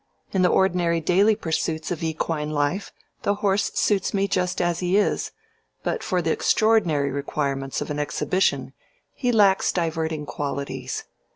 In the ordinary daily pursuits of equine life the horse suits me just as he is, but for the extraordinary requirements of an exhibition he lacks diverting qualities.